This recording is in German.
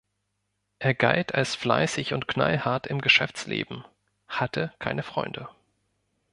Er galt als fleißig und knallhart im Geschäftsleben, hatte keine Freunde.